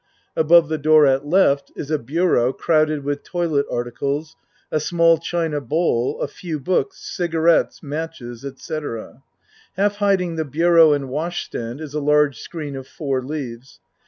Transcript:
Above the door at L. is a bureau crowded with toilet articles, a small china bowl, a few books, cigarettes, matches, etc. Half hiding the bureau and wash stand is a large screen of four leaves.